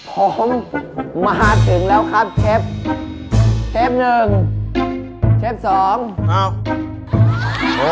ผมมาถึงแล้วครับเชฟ